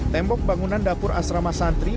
tembok bangunan dapur asrama santri